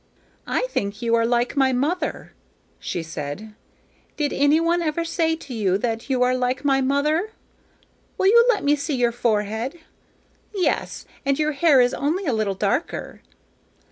"I think you are like my mother," she said; "did any one ever say to you that you are like my mother? Will you let me see your forehead? Yes; and your hair is only a little darker."